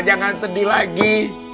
jangan sedih lagi